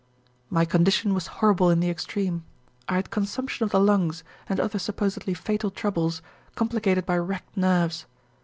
"My condition was horrible in the extreme. I had consumption of the lungs and other supposedly fatal troubles, complicated by wrecked nerves.